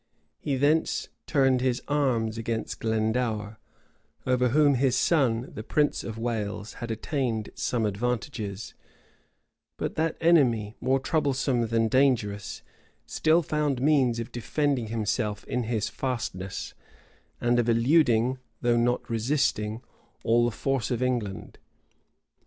He thence turned his arms against Glendour, over whom his son, the prince of Wales, had attained some advantages; but that enemy, more troublesome than dangerous, still found means of defending himself in his fastnesses, and of eluding, though not resisting, all the force of England.